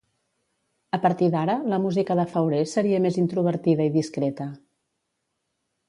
A partir d'ara la música de Fauré seria més introvertida i discreta.